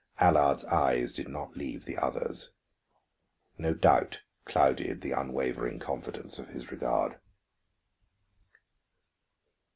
Allard's eyes did not leave the other's; no doubt clouded the unwavering confidence of his regard.